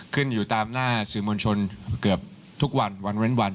ขึ้นอยู่ตามหน้าสื่อมวลชนเกือบทุกวันวันเว้นวัน